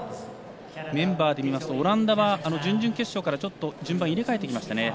メンバーでみますと、オランダは準々決勝から、ちょっと順番を入れ替えてきました。